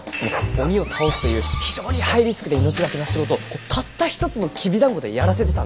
鬼を倒すという非常にハイリスクで命懸けの仕事をたった一つのきびだんごでやらせてたんですよ。